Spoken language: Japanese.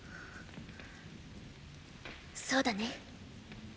そうだね。